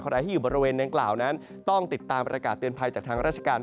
ใครที่อยู่บริเวณดังกล่าวนั้นต้องติดตามประกาศเตือนภัยจากทางราชการ